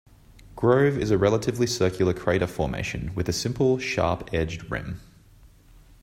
Grove is a relatively circular crater formation with a simple, sharp-edged rim.